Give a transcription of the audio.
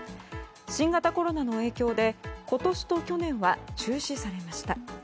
新型コロナの影響で今年と去年は中止されました。